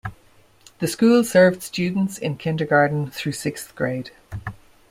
The school served students in kindergarten through sixth grade.